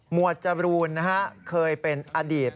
หมวดจบรูนนะคะเคยเป็นอดีต